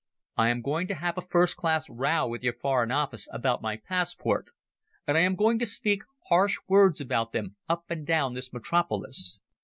I am going to have a first class row with your Foreign Office about my passport, and I am going to speak harsh words about them up and down this metropolis.